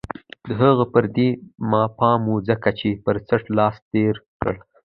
د هغه پر دې ما پام و، څنګه دې پر څټ لاس تېر کړ؟